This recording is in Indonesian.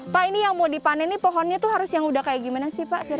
pak ini yang mau dipanen nih pohonnya tuh harus yang udah kayak gimana sih pak